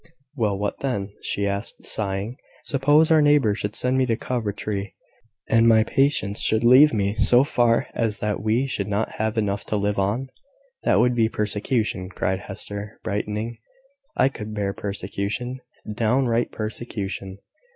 "Well, what then?" she asked, sighing. "Suppose our neighbours should send me to Coventry, and my patients should leave me so far as that we should not have enough to live on?" "That would be persecution," cried Hester, brightening. "I could bear persecution, downright persecution."